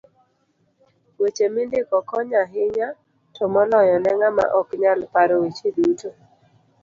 Weche mindiko konyo ahinya to moloyo ne ng'ama oknyal paro weche duto.